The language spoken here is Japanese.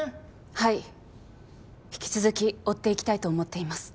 はい引き続き追っていきたいと思っています。